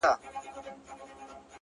هغه سړی کلونه پس دی؛ راوتلی ښار ته؛